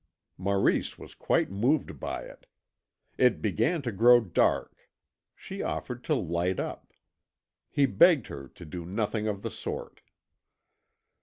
Maurice was quite moved by it. It began to grow dark; she offered to light up. He begged her to do nothing of the sort.